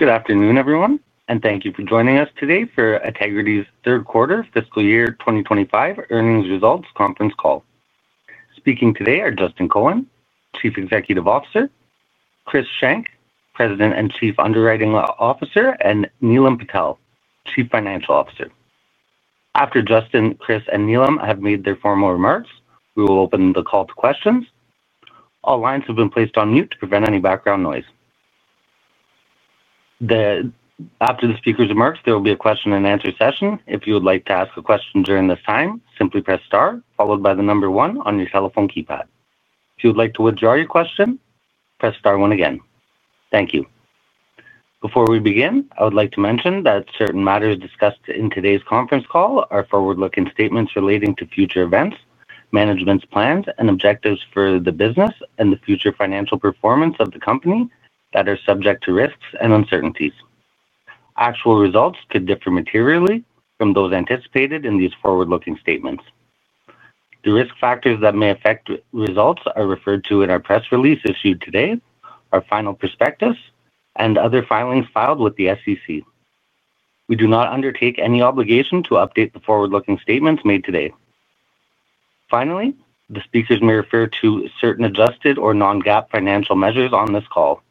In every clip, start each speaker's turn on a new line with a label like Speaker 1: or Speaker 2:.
Speaker 1: Good afternoon, everyone, and thank you for joining us today for Ategrity's third quarter fiscal year 2025 earnings results conference call. Speaking today are Justin Cohen, Chief Executive Officer, Chris Schenk, President and Chief Underwriting Officer, and Neelam Patel, Chief Financial Officer. After Justin, Chris, and Neelam have made their formal remarks, we will open the call to questions. All lines have been placed on mute to prevent any background noise. After the speakers' remarks, there will be a question and answer session. If you would like to ask a question during this time, simply press star, followed by the number one on your telephone keypad. If you would like to withdraw your question, press star one again. Thank you. Before we begin, I would like to mention that certain matters discussed in today's conference call are forward-looking statements relating to future events, management's plans, and objectives for the business and the future financial performance of the company that are subject to risks and uncertainties. Actual results could differ materially from those anticipated in these forward-looking statements. The risk factors that may affect results are referred to in our press release issued today, our final prospectus, and other filings filed with the SEC. We do not undertake any obligation to update the forward-looking statements made today. Finally, the speakers may refer to certain adjusted or non-GAAP financial measures on this call.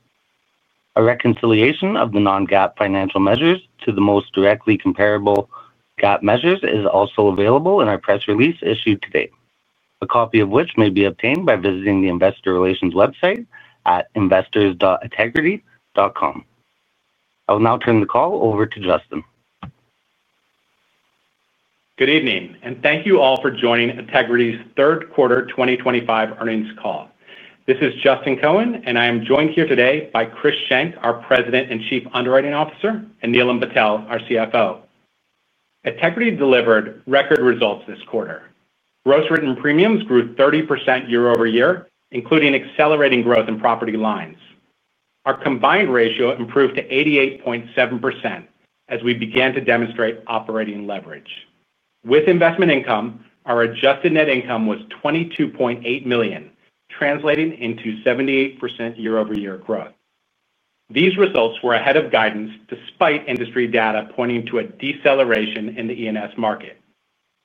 Speaker 1: A reconciliation of the non-GAAP financial measures to the most directly comparable GAAP measures is also available in our press release issued today, a copy of which may be obtained by visiting the investor relations website at investors.ategrity.com. I will now turn the call over to Justin.
Speaker 2: Good evening, and thank you all for joining Ategrity's third quarter 2025 earnings call. This is Justin Cohen, and I am joined here today by Chris Schenk, our President and Chief Underwriting Officer, and Neelam Patel, our CFO. Ategrity delivered record results this quarter. Gross written premiums grew 30% year over year, including accelerating growth in property lines. Our combined ratio improved to 88.7% as we began to demonstrate operating leverage. With investment income, our adjusted net income was $22.8 million, translating into 78% year over year growth. These results were ahead of guidance despite industry data pointing to a deceleration in the E&S market.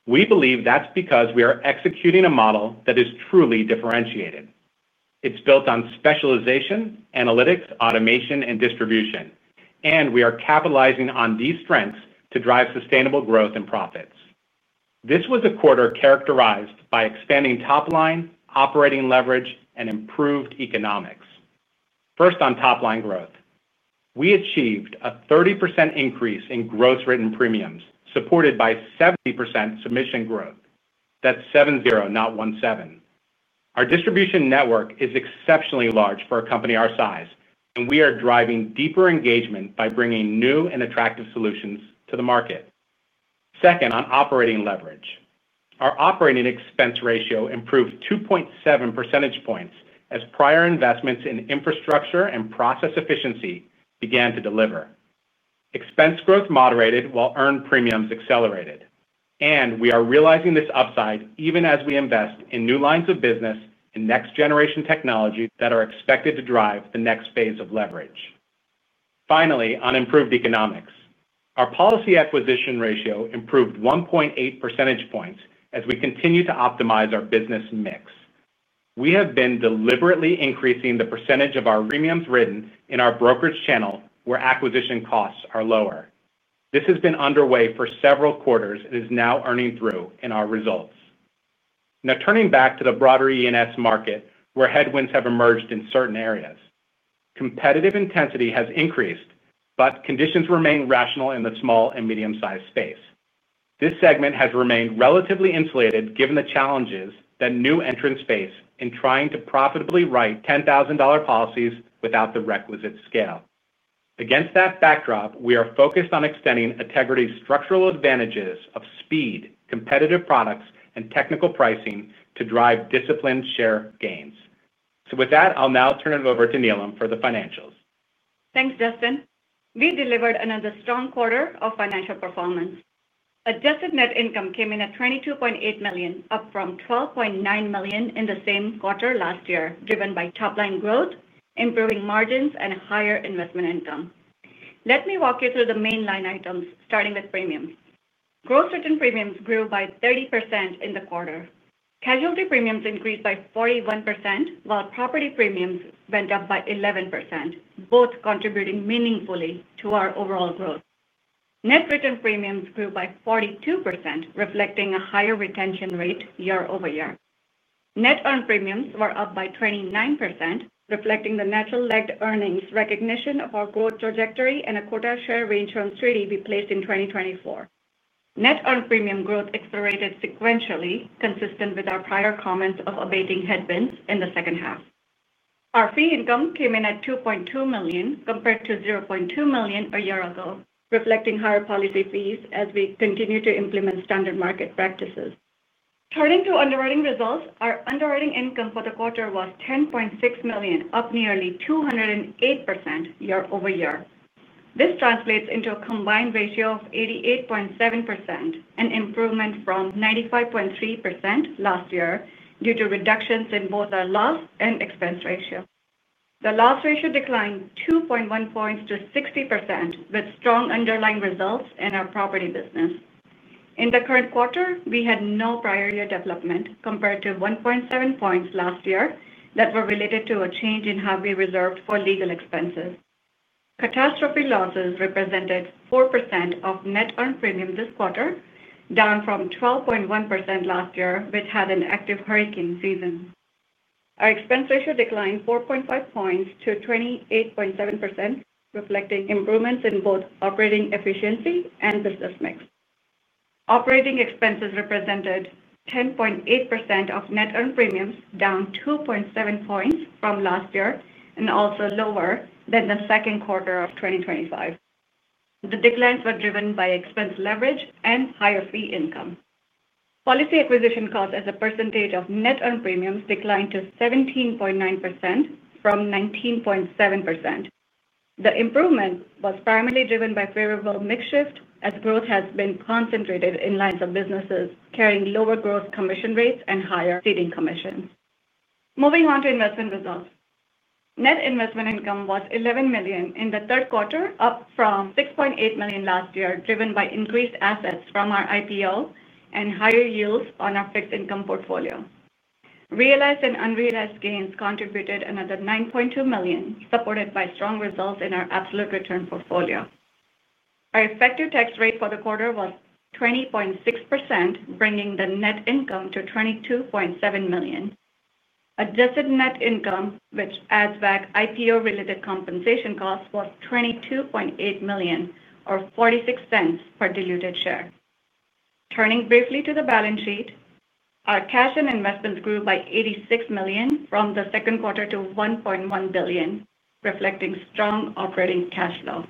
Speaker 2: We believe that's because we are executing a model that is truly differentiated. It's built on specialization, analytics, automation, and distribution, and we are capitalizing on these strengths to drive sustainable growth and profits. This was a quarter characterized by expanding top line, operating leverage, and improved economics. First on top line growth, we achieved a 30% increase in gross written premiums, supported by 70% submission growth. That's seven zero, not one seven. Our distribution network is exceptionally large for a company our size, and we are driving deeper engagement by bringing new and attractive solutions to the market. Second on operating leverage, our operating expense ratio improved 2.7 percentage points as prior investments in infrastructure and process efficiency began to deliver. Expense growth moderated while earned premiums accelerated, and we are realizing this upside even as we invest in new lines of business and next-generation technology that are expected to drive the next phase of leverage. Finally, on improved economics, our policy acquisition ratio improved 1.8 percentage points as we continue to optimize our business mix. We have been deliberately increasing the percentage of our premiums written in our brokerage channel where acquisition costs are lower. This has been underway for several quarters and is now earning through in our results. Now turning back to the broader E&S market, where headwinds have emerged in certain areas, competitive intensity has increased, but conditions remain rational in the small and medium-sized space. This segment has remained relatively insulated given the challenges that new entrants face in trying to profitably write $10,000 policies without the requisite scale. Against that backdrop, we are focused on extending Ategrity's structural advantages of speed, competitive products, and technical pricing to drive disciplined share gains. I'll now turn it over to Neelam for the financials.
Speaker 3: Thanks, Justin. We delivered another strong quarter of financial performance. Adjusted net income came in at $22.8 million, up from $12.9 million in the same quarter last year, driven by top line growth, improving margins, and higher investment income. Let me walk you through the main line items, starting with premiums. Gross written premiums grew by 30% in the quarter. Casualty premiums increased by 41%, while property premiums went up by 11%, both contributing meaningfully to our overall growth. Net written premiums grew by 42%, reflecting a higher retention rate year over year. Net earned premiums were up by 29%, reflecting the natural-led earnings recognition of our growth trajectory and a quota share reinsurance treaty we placed in 2024. Net earned premium growth accelerated sequentially, consistent with our prior comments of abating headwinds in the second half. Our fee income came in at $2.2 million compared to $0.2 million a year ago, reflecting higher policy fees as we continue to implement standard market practices. Turning to underwriting results, our underwriting income for the quarter was $10.6 million, up nearly 208% year over year. This translates into a combined ratio of 88.7%, an improvement from 95.3% last year due to reductions in both our loss and expense ratio. The loss ratio declined 2.1 points to 60%, with strong underlying results in our property business. In the current quarter, we had no prior year development compared to 1.7 points last year that were related to a change in how we reserved for legal expenses. Catastrophe losses represented 4% of net earned premium this quarter, down from 12.1% last year, which had an active hurricane season. Our expense ratio declined 4.5 points to 28.7%, reflecting improvements in both operating efficiency and business mix. Operating expenses represented 10.8% of net earned premiums, down 2.7 points from last year, and also lower than the second quarter of 2025. The declines were driven by expense leverage and higher fee income. Policy acquisition costs, as a percentage of net earned premiums, declined to 17.9% from 19.7%. The improvement was primarily driven by favorable mix shift, as growth has been concentrated in lines of businesses carrying lower gross commission rates and higher seeding commissions. Moving on to investment results, net investment income was $11 million in the third quarter, up from $6.8 million last year, driven by increased assets from our IPO and higher yields on our fixed income portfolio. Realized and unrealized gains contributed another $9.2 million, supported by strong results in our absolute return portfolio. Our effective tax rate for the quarter was 20.6%, bringing the net income to $22.7 million. Adjusted net income, which adds back IPO-related compensation costs, was $22.8 million, or $0.46 per diluted share. Turning briefly to the balance sheet, our cash and investments grew by $86 million from the second quarter to $1.1 billion, reflecting strong operating cash flow.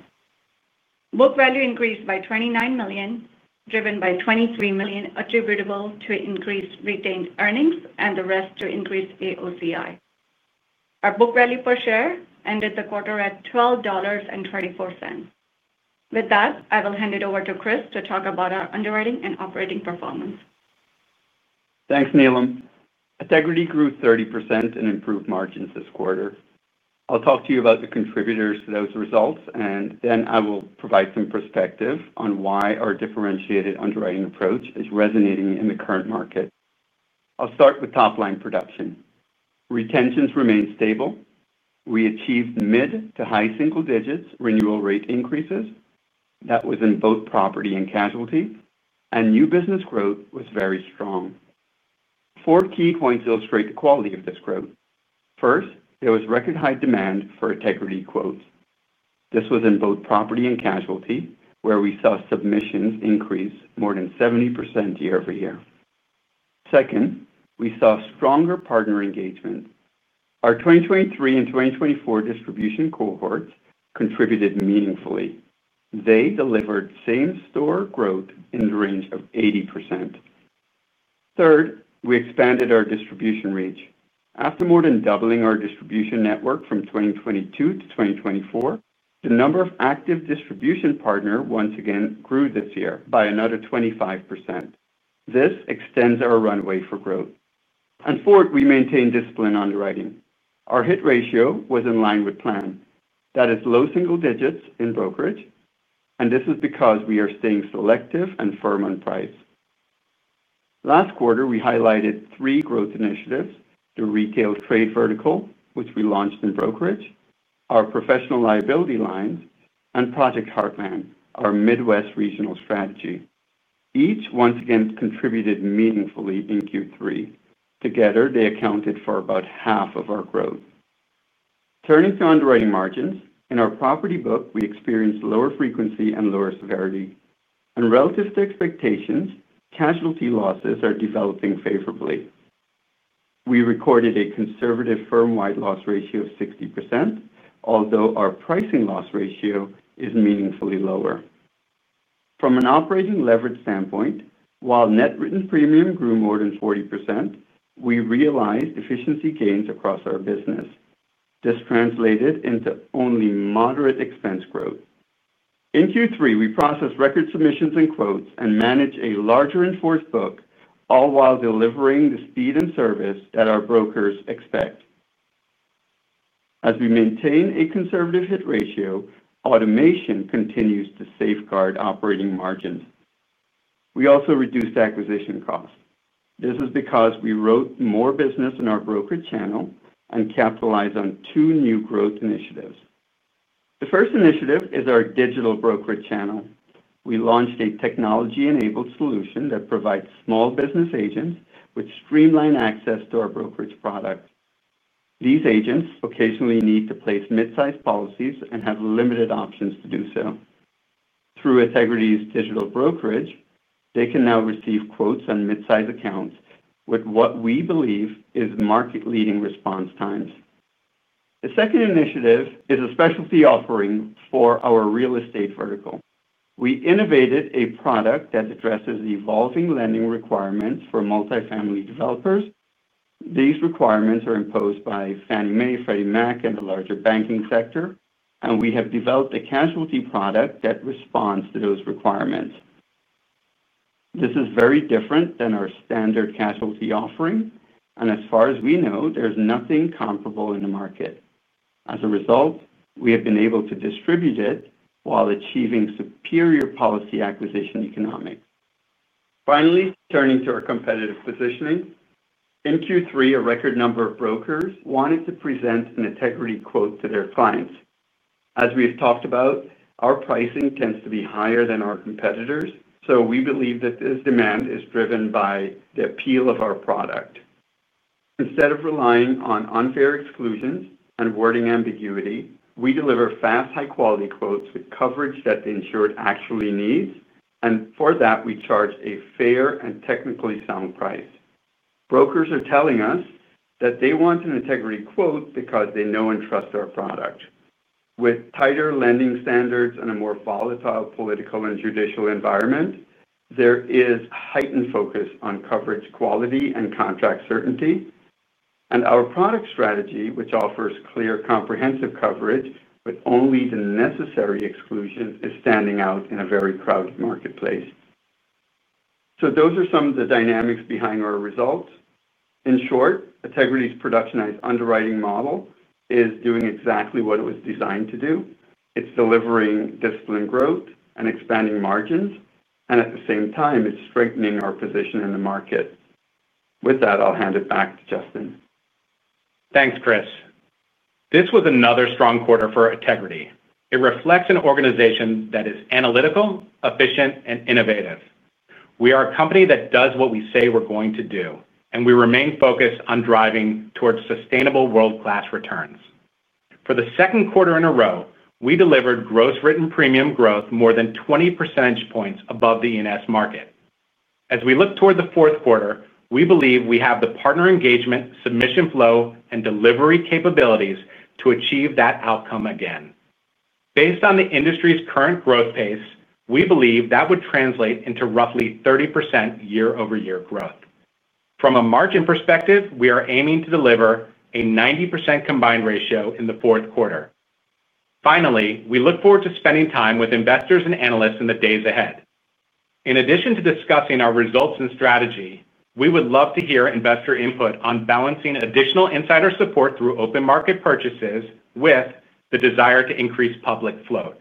Speaker 3: Book value increased by $29 million, driven by $23 million attributable to increased retained earnings and the rest to increased AOCI. Our book value per share ended the quarter at $12.24. With that, I will hand it over to Chris to talk about our underwriting and operating performance.
Speaker 4: Thanks, Neelam. Ategrity grew 30% and improved margins this quarter. I'll talk to you about the contributors to those results, and then I will provide some perspective on why our differentiated underwriting approach is resonating in the current market. I'll start with top line production. Retentions remained stable. We achieved mid to high single digits renewal rate increases. That was in both property and casualty, and new business growth was very strong. Four key points illustrate the quality of this growth. First, there was record high demand for Ategrity quotes. This was in both property and casualty, where we saw submissions increase more than 70% year over year. Second, we saw stronger partner engagement. Our 2023 and 2024 distribution cohorts contributed meaningfully. They delivered same-store growth in the range of 80%. Third, we expanded our distribution reach. After more than doubling our distribution network from 2022 to 2024, the number of active distribution partners once again grew this year by another 25%. This extends our runway for growth. Fourth, we maintained discipline underwriting. Our hit ratio was in line with plan. That is low single digits in brokerage, and this is because we are staying selective and firm on price. Last quarter, we highlighted three growth initiatives: the retail trade vertical, which we launched in brokerage; our professional liability lines; and Project Heartland, our Midwest regional strategy. Each once again contributed meaningfully in Q3. Together, they accounted for about half of our growth. Turning to underwriting margins, in our property book, we experienced lower frequency and lower severity. Relative to expectations, casualty losses are developing favorably. We recorded a conservative firm-wide loss ratio of 60%, although our pricing loss ratio is meaningfully lower. From an operating leverage standpoint, while net written premium grew more than 40%, we realized efficiency gains across our business. This translated into only moderate expense growth. In Q3, we processed record submissions and quotes and managed a larger enforced book, all while delivering the speed and service that our brokers expect. As we maintain a conservative hit ratio, automation continues to safeguard operating margins. We also reduced acquisition costs. This is because we wrote more business in our brokerage channel and capitalized on two new growth initiatives. The first initiative is our digital brokerage channel. We launched a technology-enabled solution that provides small business agents with streamlined access to our brokerage products. These agents occasionally need to place mid-sized policies and have limited options to do so. Through Ategrity's digital brokerage channel, they can now receive quotes on mid-sized accounts with what we believe is market-leading response times. The second initiative is a specialty offering for our real estate sector vertical. We innovated a product that addresses evolving lending requirements for multifamily developers. These requirements are imposed by Fannie Mae, Freddie Mac, and the larger banking sector, and we have developed a casualty product that responds to those requirements. This is very different than our standard casualty offering, and as far as we know, there's nothing comparable in the market. As a result, we have been able to distribute it while achieving superior policy acquisition economics. Finally, turning to our competitive positioning, in Q3, a record number of brokers wanted to present an Ategrity quote to their clients. As we have talked about, our pricing tends to be higher than our competitors, so we believe that this demand is driven by the appeal of our product. Instead of relying on unfair exclusions and wording ambiguity, we deliver fast, high-quality quotes with coverage that the insured actually needs, and for that, we charge a fair and technically sound price. Brokers are telling us that they want an Ategrity quote because they know and trust our product. With tighter lending standards and a more volatile political and judicial environment, there is heightened focus on coverage quality and contract certainty, and our product strategy, which offers clear, comprehensive coverage but only the necessary exclusions, is standing out in a very crowded marketplace. Those are some of the dynamics behind our results. In short, Ategrity's productionized underwriting model is doing exactly what it was designed to do. It's delivering disciplined growth and expanding margins, and at the same time, it's strengthening our position in the market. With that, I'll hand it back to Justin.
Speaker 2: Thanks, Chris. This was another strong quarter for Ategrity. It reflects an organization that is analytical, efficient, and innovative. We are a company that does what we say we're going to do, and we remain focused on driving towards sustainable world-class returns. For the second quarter in a row, we delivered gross written premium growth more than 20 percentage points above the E&S market. As we look toward the fourth quarter, we believe we have the partner engagement, submission flow, and delivery capabilities to achieve that outcome again. Based on the industry's current growth pace, we believe that would translate into roughly 30% year-over-year growth. From a margin perspective, we are aiming to deliver a 90% combined ratio in the fourth quarter. Finally, we look forward to spending time with investors and analysts in the days ahead. In addition to discussing our results and strategy, we would love to hear investor input on balancing additional insider support through open market purchases with the desire to increase public float.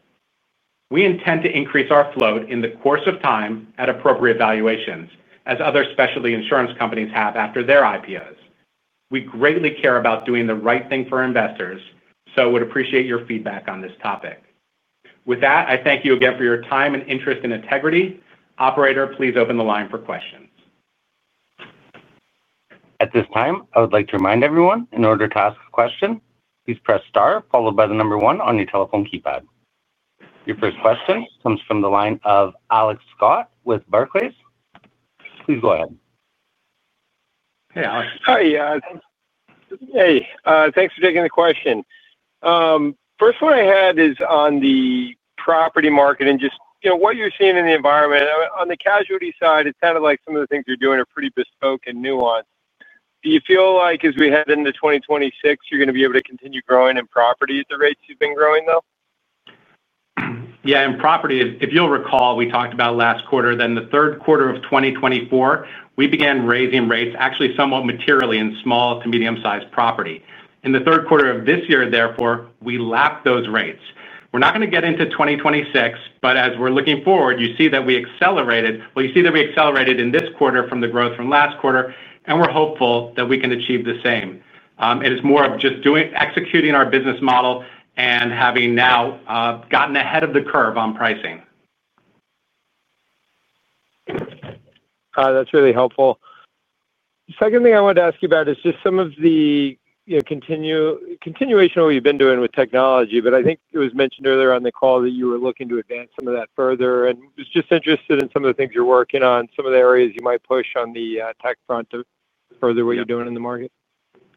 Speaker 2: We intend to increase our float in the course of time at appropriate valuations, as other specialty insurance companies have after their IPOs. We greatly care about doing the right thing for investors, so I would appreciate your feedback on this topic. With that, I thank you again for your time and interest in Ategrity. Operator, please open the line for questions.
Speaker 1: At this time, I would like to remind everyone, in order to ask a question, please press star followed by the number one on your telephone keypad. Your first question comes from the line of Alex Scott with Barclays. Please go ahead.
Speaker 2: Hey, Alex.
Speaker 5: Hi. Thanks for taking the question. First one I had is on the property market and just what you're seeing in the environment. On the casualty side, it sounded like some of the things you're doing are pretty bespoke and nuanced. Do you feel like, as we head into 2026, you're going to be able to continue growing in property at the rates you've been growing, though?
Speaker 2: Yeah, in property, if you'll recall, we talked about last quarter, in the third quarter of 2024, we began raising rates actually somewhat materially in small to medium-sized property. In the third quarter of this year, therefore, we lapped those rates. We're not going to get into 2026, but as we're looking forward, you see that we accelerated, you see that we accelerated in this quarter from the growth from last quarter, and we're hopeful that we can achieve the same. It is more of just doing, executing our business model and having now gotten ahead of the curve on pricing.
Speaker 5: That's really helpful. The second thing I wanted to ask you about is just some of the continuation of what you've been doing with technology. I think it was mentioned earlier on the call that you were looking to advance some of that further, and I was just interested in some of the things you're working on, some of the areas you might push on the tech front to further what you're doing in the market.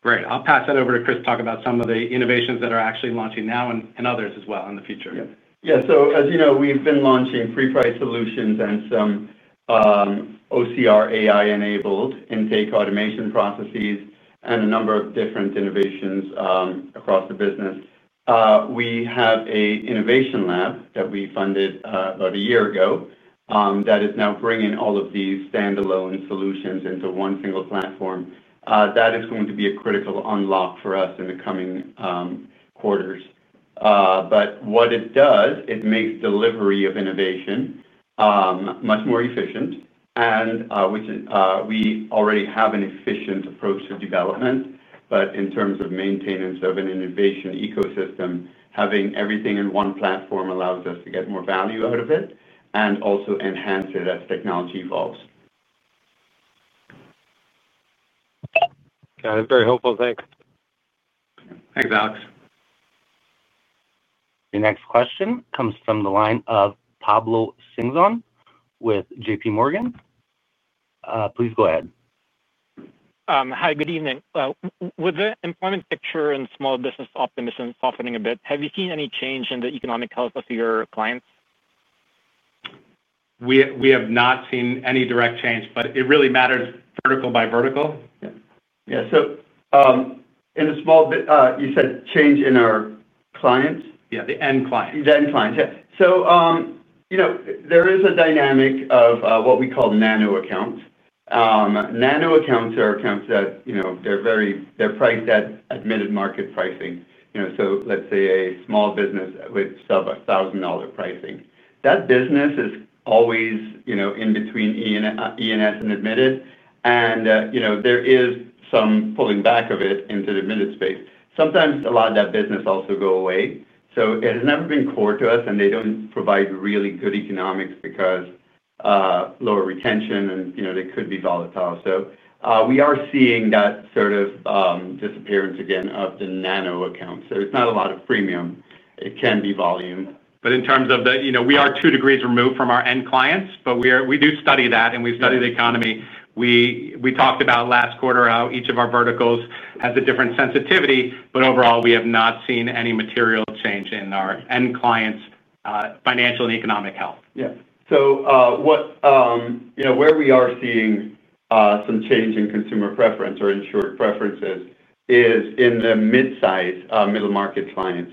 Speaker 2: Great. I'll pass that over to Chris to talk about some of the innovations that are actually launching now and others as well in the future.
Speaker 4: Yeah, as you know, we've been launching free-price solutions and some OCR AI-enabled intake automation processes and a number of different innovations across the business. We have an innovation lab that we funded about a year ago that is now bringing all of these standalone solutions into one single platform. That is going to be a critical unlock for us in the coming quarters. What it does is make delivery of innovation much more efficient, and we already have an efficient approach to development. In terms of maintenance of an innovation ecosystem, having everything in one platform allows us to get more value out of it and also enhance it as technology evolves.
Speaker 5: Yeah, that's very helpful. Thanks.
Speaker 2: Thanks, Alex.
Speaker 1: Your next question comes from the line of Pablo Singzon with JPMorgan. Please go ahead.
Speaker 6: Hi, good evening. With the employment picture and small business optimism softening a bit, have you seen any change in the economic health of your clients?
Speaker 2: We have not seen any direct change, but it really matters vertical by vertical.
Speaker 4: Yeah, in a small bit, you said change in our clients?
Speaker 2: Yeah, the end clients.
Speaker 4: The end clients, yeah. There is a dynamic of what we call nano accounts. Nano accounts are accounts that, you know, they're very, they're priced at admitted market pricing. Let's say a small business with sub-$1,000 pricing. That business is always, you know, in between E&S and admitted, and there is some pulling back of it into the admitted space. Sometimes a lot of that business also goes away. It has never been core to us, and they don't provide really good economics because lower retention, and they could be volatile. We are seeing that sort of disappearance again of the nano accounts. It's not a lot of premium. It can be volume.
Speaker 2: In terms of the, you know, we are two degrees removed from our end clients, but we do study that, and we've studied the economy. We talked about last quarter how each of our verticals has a different sensitivity, but overall, we have not seen any material change in our end clients' financial and economic health.
Speaker 4: Yeah, where we are seeing some change in consumer preference or insured preferences is in the mid-size, middle-market clients.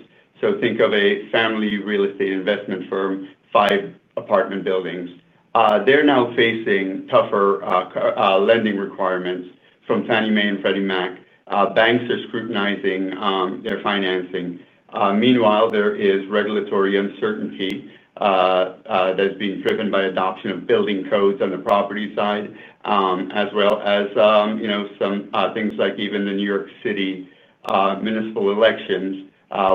Speaker 4: Think of a family real estate investment firm, five apartment buildings. They're now facing tougher lending requirements from Fannie Mae and Freddie Mac. Banks are scrutinizing their financing. Meanwhile, there is regulatory uncertainty that's being driven by adoption of building codes on the property side, as well as some things like even the New York City municipal elections,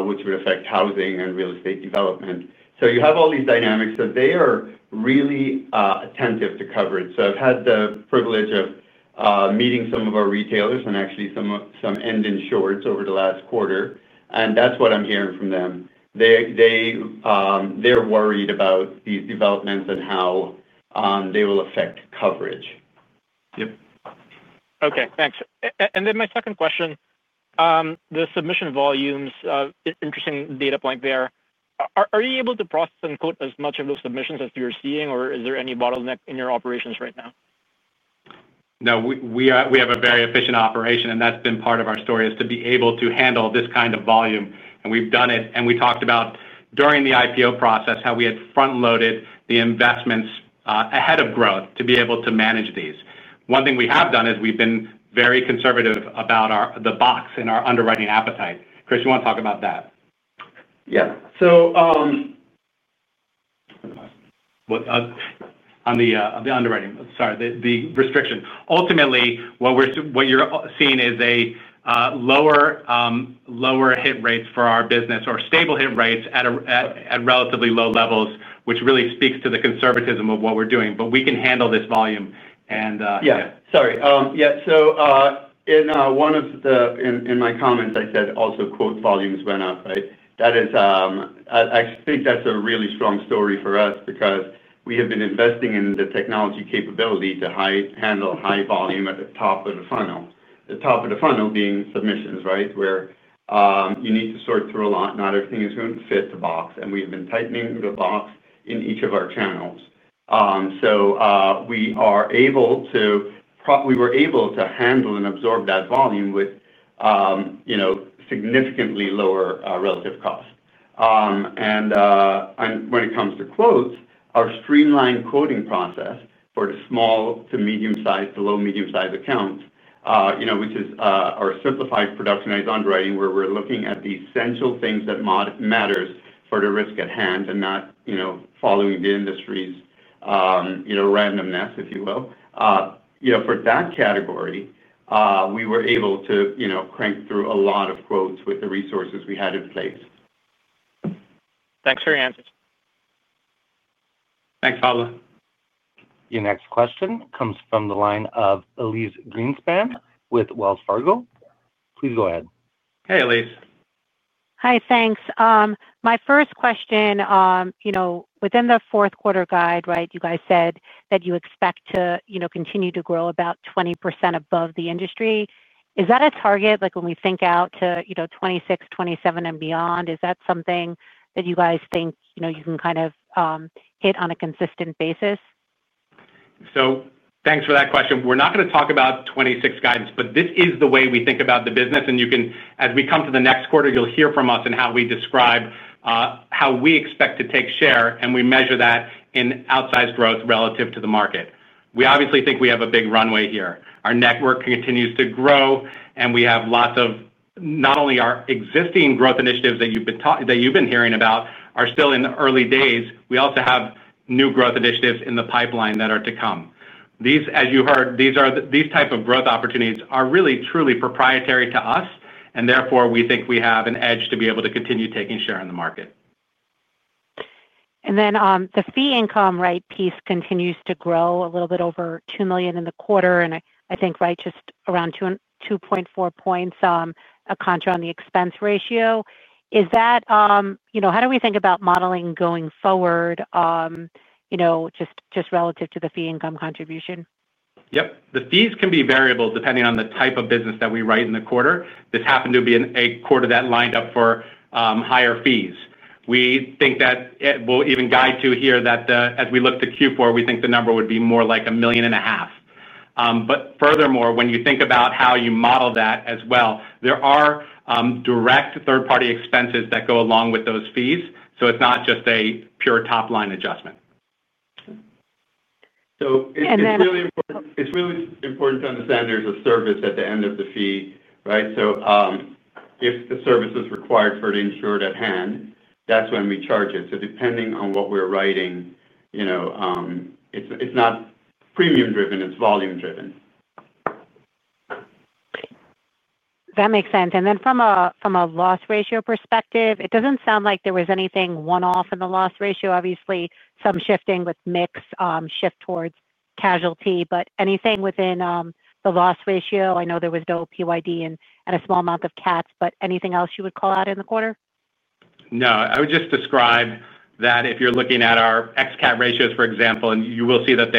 Speaker 4: which would affect housing and real estate development. You have all these dynamics. They are really attentive to coverage. I've had the privilege of meeting some of our retailers and actually some end insurers over the last quarter, and that's what I'm hearing from them. They're worried about these developments and how they will affect coverage.
Speaker 2: Yep.
Speaker 6: Okay, thanks. My second question, the submission volumes, interesting data point there. Are you able to process and quote as much of those submissions as you're seeing, or is there any bottleneck in your operations right now?
Speaker 2: No, we have a very efficient operation, and that's been part of our story, to be able to handle this kind of volume. We've done it, and we talked about during the IPO process how we had front-loaded the investments ahead of growth to be able to manage these. One thing we have done is we've been very conservative about the box in our underwriting appetite. Chris, you want to talk about that? Yeah, on the underwriting, the restriction. Ultimately, what you're seeing is lower hit rates for our business or stable hit rates at relatively low levels, which really speaks to the conservatism of what we're doing. We can handle this volume.
Speaker 4: Yeah, sorry. In my comments, I said also quote volumes went up, right? That is, I think that's a really strong story for us because we have been investing in the technology capability to handle high volume at the top of the funnel. The top of the funnel being submissions, right, where you need to sort through a lot. Not everything is going to fit the box, and we have been tightening the box in each of our channels. We were able to handle and absorb that volume with significantly lower relative cost. When it comes to quotes, our streamlined quoting process for the small to medium-sized, the low medium-sized accounts, which is our simplified productionized underwriting where we're looking at the essential things that matter for the risk at hand and not following the industry's randomness, if you will. For that category, we were able to crank through a lot of quotes with the resources we had in place.
Speaker 6: Thanks for your answers.
Speaker 2: Thanks, Pablo.
Speaker 1: Your next question comes from the line of Elyse Greenspan with Wells Fargo. Please go ahead.
Speaker 2: Hey, Eyise.
Speaker 7: Hi, thanks. My first question, within the fourth quarter guide, you guys said that you expect to continue to grow about 20% above the industry. Is that a target, like when we think out to 2026, 2027, and beyond? Is that something that you guys think you can kind of hit on a consistent basis?
Speaker 2: Thank you for that question. We're not going to talk about 2026 guidance, but this is the way we think about the business, and you can, as we come to the next quarter, you'll hear from us in how we describe how we expect to take share, and we measure that in outsized growth relative to the market. We obviously think we have a big runway here. Our network continues to grow, and we have lots of, not only our existing growth initiatives that you've been hearing about are still in the early days, we also have new growth initiatives in the pipeline that are to come. These, as you heard, these types of growth opportunities are really truly proprietary to us, and therefore we think we have an edge to be able to continue taking share in the market.
Speaker 7: The fee income piece continues to grow, a little bit over $2 million in the quarter, and I think just around 2.4 points a contra on the expense ratio. How do we think about modeling going forward, just relative to the fee income contribution?
Speaker 2: Yep, the fees can be variable depending on the type of business that we write in the quarter. This happened to be a quarter that lined up for higher fees. We think that, we'll even guide to here that as we look to Q4, we think the number would be more like $1.5 million. Furthermore, when you think about how you model that as well, there are direct third-party expenses that go along with those fees, so it's not just a pure top-line adjustment.
Speaker 4: It's really important to understand there's a service at the end of the fee, right? If the service is required for the insured at hand, that's when we charge it. Depending on what we're writing, it's not premium-driven, it's volume-driven.
Speaker 7: That makes sense. From a loss ratio perspective, it doesn't sound like there was anything one-off in the loss ratio. Obviously, some shifting with mix shift towards casualty, but anything within the loss ratio? I know there was no PYD and a small amount of CATs, but anything else you would call out in the quarter?
Speaker 2: No, I would just describe that if you're looking at our ex-CAT ratios, for example, you will see that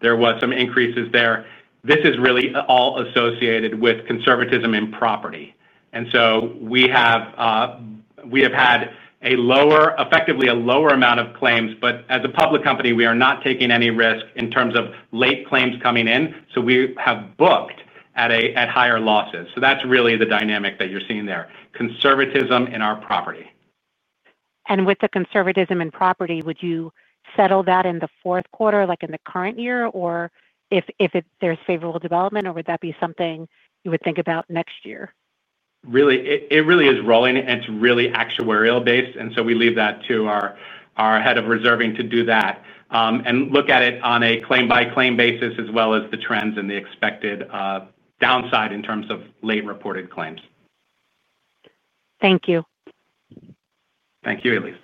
Speaker 2: there were some increases there. This is really all associated with conservatism in property. We have had a lower, effectively a lower amount of claims, but as a public company, we are not taking any risk in terms of late claims coming in, so we have booked at higher losses. That's really the dynamic that you're seeing there, conservatism in our property.
Speaker 7: With the conservatism in property, would you settle that in the fourth quarter, like in the current year, or if there's favorable development, or would that be something you would think about next year?
Speaker 2: It really is rolling, and it's really actuarial-based, and we leave that to our Head of Reserving to do that and look at it on a claim-by-claim basis as well as the trends and the expected downside in terms of late reported claims.
Speaker 7: Thank you.
Speaker 2: Thank you, Elise.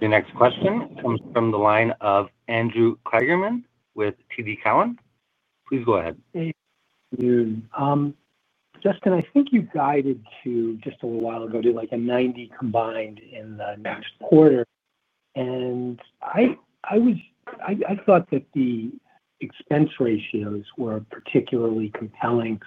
Speaker 1: Your next question comes from the line of Andrew Kligerman with TD Cowen. Please go ahead.
Speaker 8: Justin, I think you guided to just a little while ago to like a 90 combined in the next quarter. I thought that the expense ratios were particularly compelling,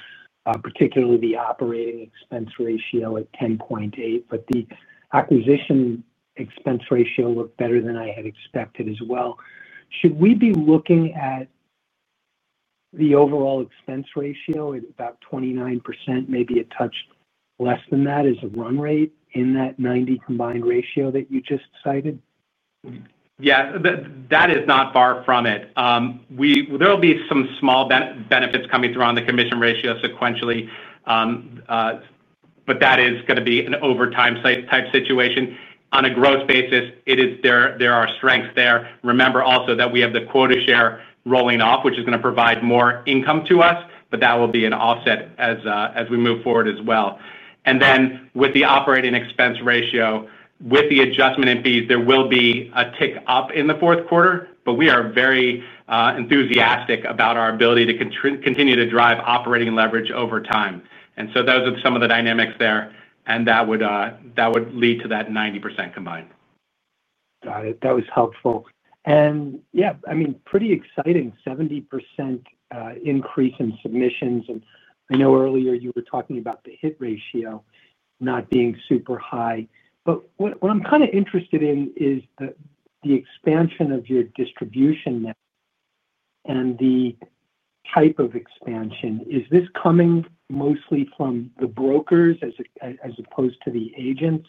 Speaker 8: particularly the operating expense ratio at 10.8, but the acquisition expense ratio looked better than I had expected as well. Should we be looking at the overall expense ratio at about 29%, maybe a touch less than that as a run rate in that 90 combined ratio that you just cited?
Speaker 2: Yeah, that is not far from it. There will be some small benefits coming through on the commission ratio sequentially, but that is going to be an overtime type situation. On a gross basis, there are strengths there. Remember also that we have the quota share rolling off, which is going to provide more income to us, but that will be an offset as we move forward as well. With the operating expense ratio, with the adjustment in fees, there will be a tick up in the fourth quarter. We are very enthusiastic about our ability to continue to drive operating leverage over time. Those are some of the dynamics there, and that would lead to that 90% combined.
Speaker 8: Got it. That was helpful. Yeah, I mean, pretty exciting, 70% increase in submissions, and I know earlier you were talking about the hit ratio not being super high. What I'm kind of interested in is the expansion of your distribution network and the type of expansion. Is this coming mostly from the brokers as opposed to the agents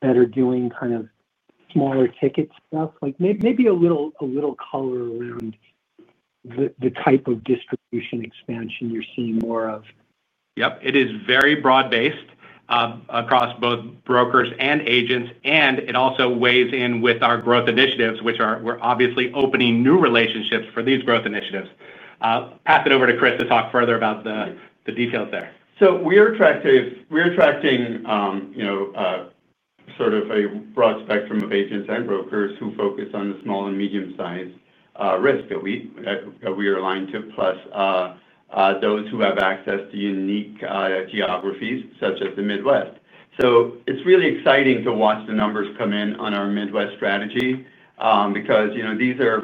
Speaker 8: that are doing kind of smaller ticket stuff? Maybe a little color around the type of distribution expansion you're seeing more of.
Speaker 2: Yep, it is very broad-based across both brokers and agents, and it also weighs in with our growth initiatives, which are we're obviously opening new relationships for these growth initiatives. Pass it over to Chris to talk further about the details there.
Speaker 4: We're attracting a broad spectrum of agents and brokers who focus on the small and medium-sized risk that we are aligned to, plus those who have access to unique geographies such as the Midwest. It's really exciting to watch the numbers come in on our Midwest strategy because these are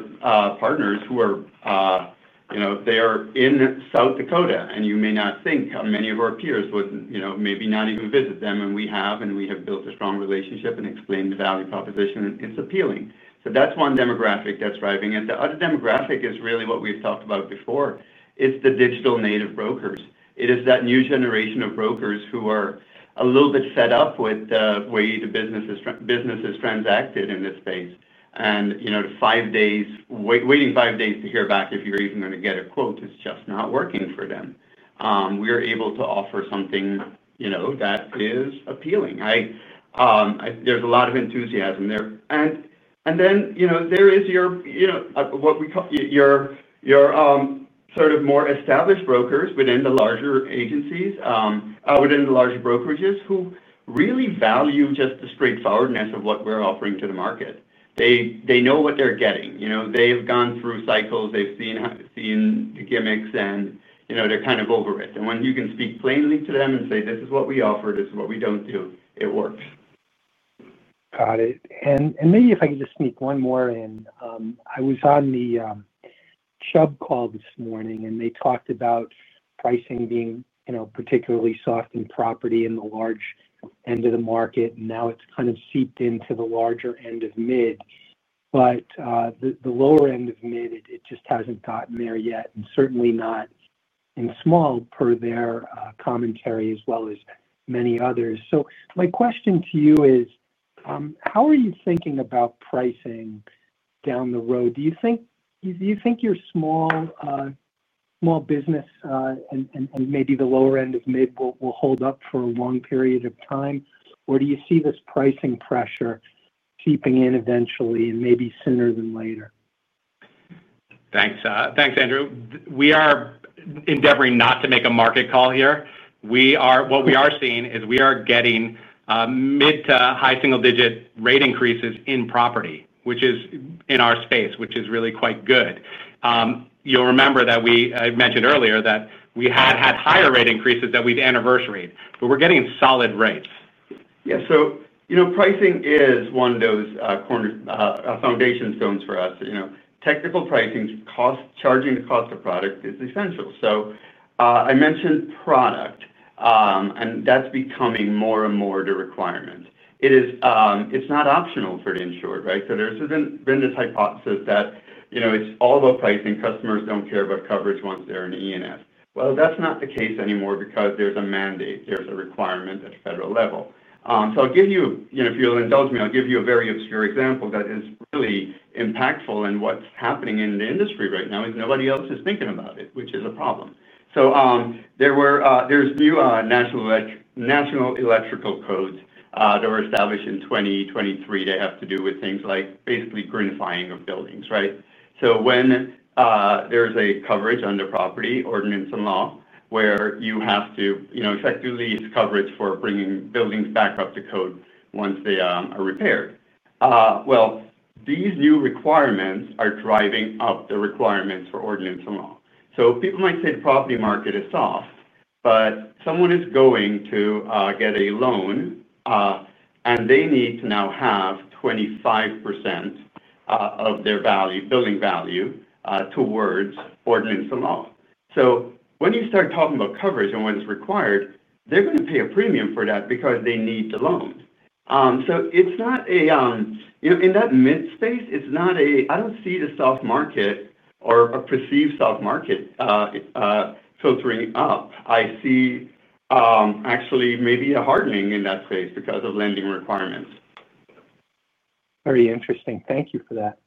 Speaker 4: partners who are in South Dakota, and you may not think how many of our peers would maybe not even visit them, and we have, and we have built a strong relationship and explained the value proposition, and it's appealing. That's one demographic that's driving it. The other demographic is really what we've talked about before. It's the digital native brokers. It is that new generation of brokers who are a little bit fed up with the way the business is transacted in this space, and the five days, waiting five days to hear back if you're even going to get a quote is just not working for them. We're able to offer something that is appealing. There's a lot of enthusiasm there. Then there is what we call your more established brokers within the larger agencies, within the larger brokerages who really value just the straightforwardness of what we're offering to the market. They know what they're getting. They have gone through cycles, they've seen the gimmicks, and they're kind of over it. When you can speak plainly to them and say, "This is what we offer, this is what we don't do," it works.
Speaker 8: Got it. Maybe if I could just sneak one more in, I was on the Chubb call this morning, and they talked about pricing being, you know, particularly soft in property in the large end of the market, and now it's kind of seeped into the larger end of mid, but the lower end of mid, it just hasn't gotten there yet, and certainly not in small per their commentary as well as many others. My question to you is, how are you thinking about pricing down the road? Do you think your small business and maybe the lower end of mid will hold up for a long period of time, or do you see this pricing pressure seeping in eventually and maybe sooner than later?
Speaker 2: Thanks, Andrew. We are endeavoring not to make a market call here. What we are seeing is we are getting mid to high single-digit rate increases in property, which is in our space, which is really quite good. You'll remember that I mentioned earlier that we had had higher rate increases that we've anniversaried, but we're getting solid rates.
Speaker 4: Yeah, so, you know, pricing is one of those foundation stones for us. You know, technical pricing costs, charging the cost of product is essential. I mentioned product, and that's becoming more and more the requirement. It is, it's not optional for the insured, right? There's been this hypothesis that, you know, it's all about pricing. Customers don't care about coverage once they're in E&S. That's not the case anymore because there's a mandate. There's a requirement at a federal level. I'll give you, if you'll indulge me, a very obscure example that is really impactful in what's happening in the industry right now. Nobody else is thinking about it, which is a problem. There are new national electrical codes that were established in 2023. They have to do with things like basically gridifying of buildings, right? When there's a coverage under property ordinance and law where you have to, you know, effectively coverage for bringing buildings back up to code once they are repaired. These new requirements are driving up the requirements for ordinance and law. People might say the property market is soft, but someone is going to get a loan, and they need to now have 25% of their building value towards ordinance and law. When you start talking about coverage and what's required, they're going to pay a premium for that because they need the loan. In that mid space, I don't see the soft market or a perceived soft market filtering up. I see actually maybe a hardening in that space because of lending requirements.
Speaker 8: Very interesting. Thank you for that.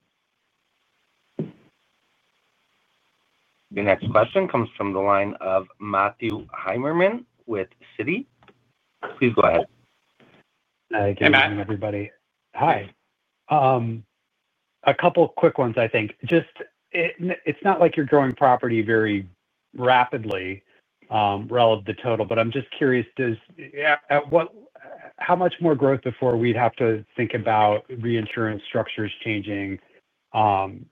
Speaker 1: Your next question comes from the line of Matthew Heimerman with Citi. Please go ahead.
Speaker 2: Hey, Matt,
Speaker 9: Hi everybody. Hi. A couple of quick ones, I think. It's not like you're growing property very rapidly relative to total, but I'm just curious, at what, how much more growth before we'd have to think about reinsurance structures changing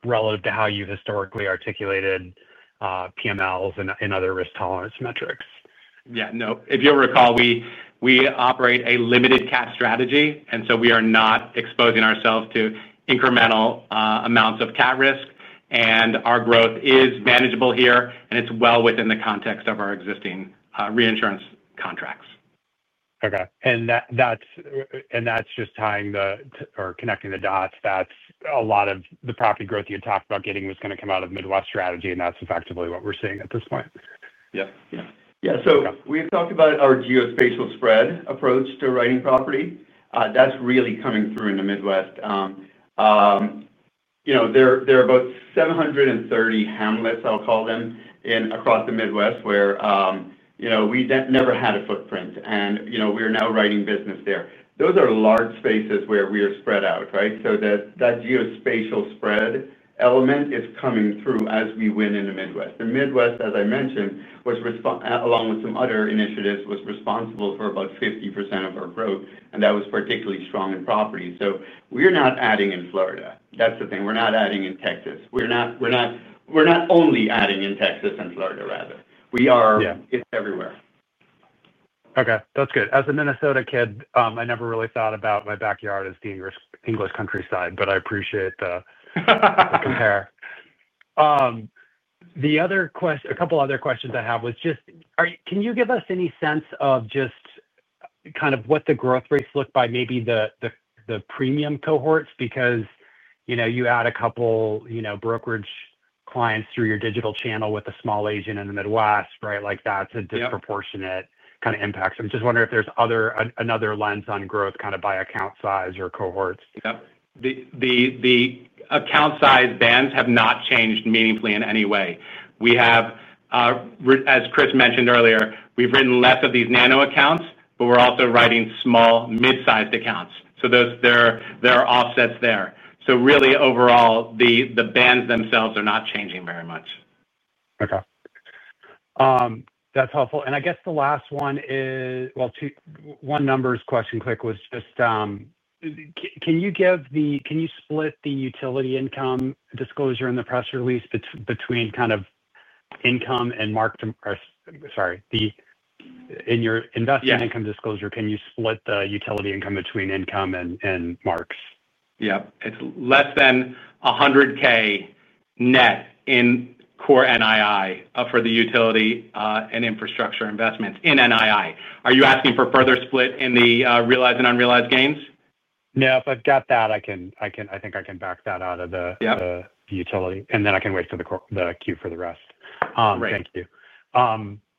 Speaker 9: relative to how you historically articulated PMLs and other risk tolerance metrics?
Speaker 2: Yeah, no, if you'll recall, we operate a limited CAT strategy, and we are not exposing ourselves to incremental amounts of CAT risk. Our growth is manageable here, and it's well within the context of our existing reinsurance contracts.
Speaker 9: Okay, that's just tying the or connecting the dots. That's a lot of the property growth you had talked about getting was going to come out of Midwest strategy, and that's effectively what we're seeing at this point.
Speaker 2: Yeah, yeah.
Speaker 4: Yeah, we had talked about our geospatial spread approach to writing property. That's really coming through in the Midwest. There are about 730 hamlets, I'll call them, across the Midwest where we never had a footprint, and we are now writing business there. Those are large spaces where we are spread out, right? That geospatial spread element is coming through as we win in the Midwest. The Midwest, as I mentioned, was, along with some other initiatives, responsible for about 50% of our growth, and that was particularly strong in property. We're not adding in Florida. That's the thing. We're not adding in Texas. We're not only adding in Texas and Florida, rather. It's everywhere.
Speaker 9: Okay, that's good. As a Minnesota kid, I never really thought about my backyard as being English countryside, but I appreciate the compare. The other question, a couple other questions I have was just, can you give us any sense of just kind of what the growth rates look by maybe the premium cohorts? Because, you know, you add a couple, you know, brokerage clients through your digital brokerage channel with a small agent in the Midwest, right? Like that's a disproportionate kind of impact. I'm just wondering if there's another lens on growth kind of by account size or cohorts.
Speaker 2: Yeah. The account size bands have not changed meaningfully in any way. We have, as Chris mentioned earlier, we've written less of these nano accounts, but we're also writing small mid-sized accounts. There are offsets there. Really, overall, the bands themselves are not changing very much.
Speaker 9: Okay. That's helpful. I guess the last one is, one numbers question quick was just, can you give the, can you split the utility income disclosure in the press release between kind of income and marked? Sorry, in your investment income disclosure, can you split the utility income between income and marks?
Speaker 2: Yep, it's less than $100,000 net in core NII for the utility and infrastructure investments in NII. Are you asking for further split in the realized and unrealized gains?
Speaker 9: No, if I've got that, I think I can back that out of the utility, and then I can wait for the queue for the rest. Thank you.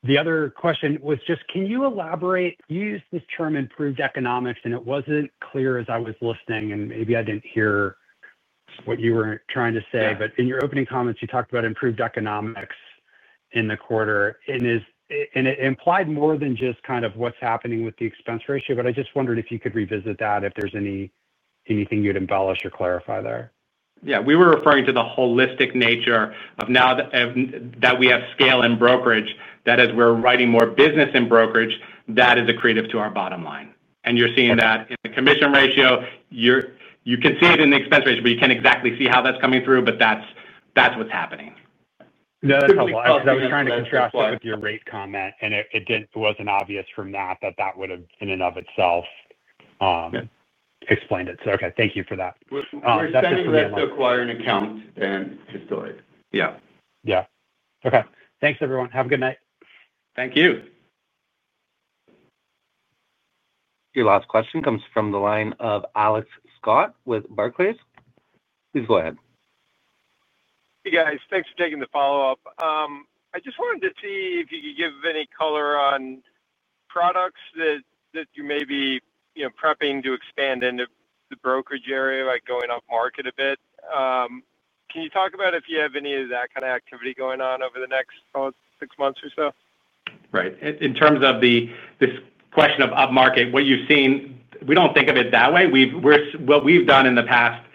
Speaker 9: The other question was just, can you elaborate? You used this term improved economics, and it wasn't clear as I was listening, and maybe I didn't hear what you were trying to say, but in your opening comments, you talked about improved economics in the quarter. It implied more than just kind of what's happening with the expense ratio, but I just wondered if you could revisit that, if there's anything you'd embellish or clarify there.
Speaker 2: Yeah, we were referring to the holistic nature of now that we have scale in brokerage, that is we're writing more business in brokerage, that is accretive to our bottom line. You're seeing that in the commission ratio, you can see it in the expense ratio, but you can't exactly see how that's coming through, but that's what's happening.
Speaker 9: That's helpful because I was trying to contrast it with your rate comment, and it wasn't obvious from that that that would have in and of itself explained it. Okay, thank you for that.
Speaker 2: We're just going to acquire an account and pistol it.
Speaker 9: Yeah. Okay. Thanks, everyone. Have a good night.
Speaker 2: Thank you.
Speaker 1: Your last question comes from the line of Alex Scott with Barclays. Please go ahead.
Speaker 5: Hey, guys, thanks for taking the follow-up. I just wanted to see if you could give any color on products that you may be prepping to expand into the brokerage area by going up market a bit. Can you talk about if you have any of that kind of activity going on over the next six months or so?
Speaker 2: Right. In terms of this question of up market, what you've seen, we don't think of it that way. What we've done in the past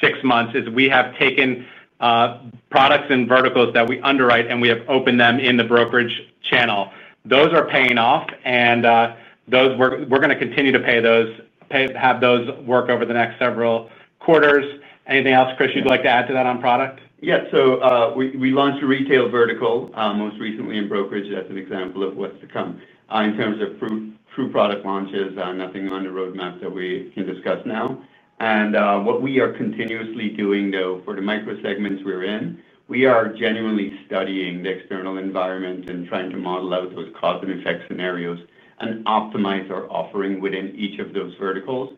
Speaker 2: six months is we have taken products and verticals that we underwrite, and we have opened them in the brokerage channel. Those are paying off, and we're going to continue to have those work over the next several quarters. Anything else, Chris, you'd like to add to that on product?
Speaker 4: Yeah, we launched a retail trade vertical most recently in brokerage. That's an example of what's to come. In terms of true product launches, nothing on the roadmap that we can discuss now. What we are continuously doing, though, for the micro segments we're in, we are genuinely studying the external environment and trying to model out those cause and effect scenarios and optimize our offering within each of those verticals.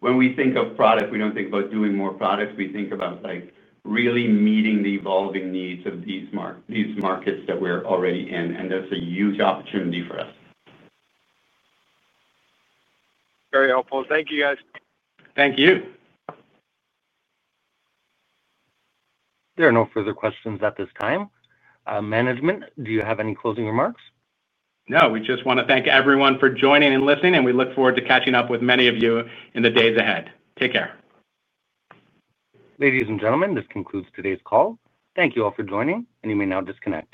Speaker 4: When we think of product, we don't think about doing more products. We think about really meeting the evolving needs of these markets that we're already in, and that's a huge opportunity for us.
Speaker 5: Very helpful. Thank you, guys.
Speaker 2: Thank you.
Speaker 1: There are no further questions at this time. Management, do you have any closing remarks?
Speaker 2: No, we just want to thank everyone for joining and listening, and we look forward to catching up with many of you in the days ahead. Take care.
Speaker 1: Ladies and gentlemen, this concludes today's call. Thank you all for joining, and you may now disconnect.